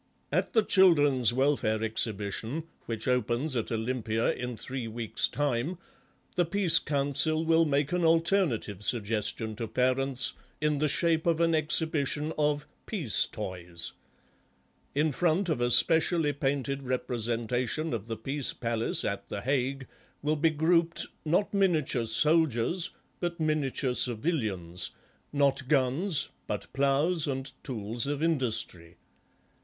At the Children's Welfare Exhibition, which opens at Olympia in three weeks' time, the Peace Council will make an alternative suggestion to parents in the shape of an exhibition of 'peace toys.' In front of a specially painted representation of the Peace Palace at The Hague will be grouped, not miniature soldiers but miniature civilians, not guns but ploughs and the tools of industry